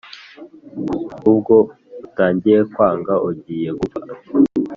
ubwo utangiye kwanga ugiye gupfa